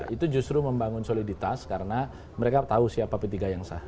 itu justru membangun soliditas karena mereka tahu siapa p tiga yang sah